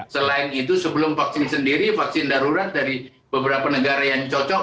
selain itu sebelum vaksin sendiri vaksin darurat dari beberapa negara yang cocok